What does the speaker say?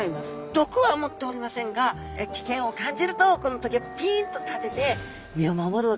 毒は持っておりませんが危険を感じるとこのトゲピンと立てて身を守るわけですね。